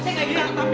tapi anda pulang dulu